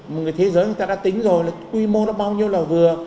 một cái thế giới người ta đã tính rồi là quy mô nó bao nhiêu là vừa